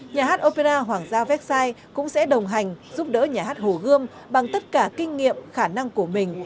nhà hát opera hoàng gia versai cũng sẽ đồng hành giúp đỡ nhà hát hồ gươm bằng tất cả kinh nghiệm khả năng của mình